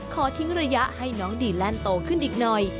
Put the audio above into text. ขอทิ้งระยะให้น้องดีแลนด์โตขึ้นอีกหน่อย